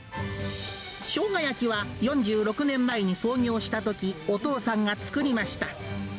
ショウガ焼きは４６年前に創業したとき、お父さんが作りました。